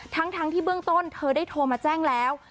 ทั้งที่เบื้องต้นเธอได้โทรมาแจ้งแล้ว